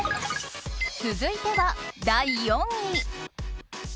続いては第４位。